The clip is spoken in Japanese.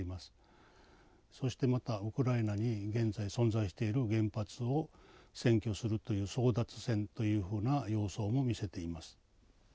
そしてまたウクライナに現在存在している原発を占拠するという争奪戦というふうな様相も見せています。